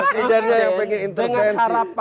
karena presiden dengan harapan